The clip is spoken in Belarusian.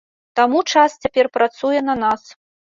Таму час цяпер працуе на нас.